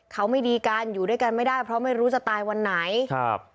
เขาไม่ดีกันอยู่ด้วยกันไม่ได้เพราะไม่รู้จะตายวันไหนครับ